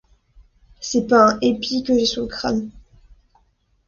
C'est pas un épi que j'ai sur le crâne.